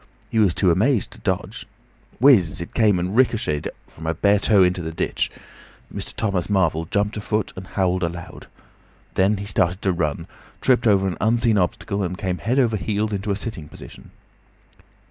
He was too amazed to dodge. Whizz it came, and ricochetted from a bare toe into the ditch. Mr. Thomas Marvel jumped a foot and howled aloud. Then he started to run, tripped over an unseen obstacle, and came head over heels into a sitting position.